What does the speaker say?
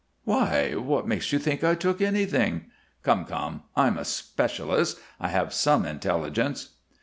"Why What makes you think I took anything?" "Come, come! I'm a specialist; I have some intelligence."